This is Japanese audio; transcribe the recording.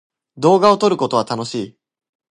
動画を撮ることは楽しい。